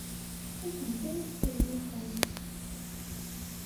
Akken kan i ttkellixen.